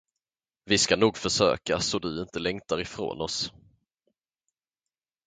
Vi ska nog försöka så du inte längtar ifrån oss.